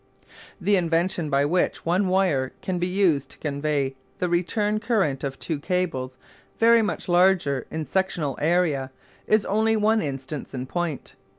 The invention by which one wire can be used to convey the return current of two cables very much larger in sectional area is only one instance in point.